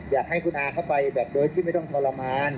อยากให้คุณอาเข้าไปแบบโดยที่ไม่ต้องทรมาน